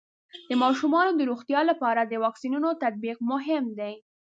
د ماشومانو د روغتیا لپاره د واکسینونو تطبیق مهم دی.